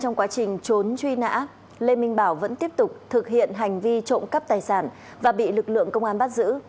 trong quá trình trốn truy nã lê minh bảo vẫn tiếp tục thực hiện hành vi trộm cắp tài sản và bị lực lượng công an bắt giữ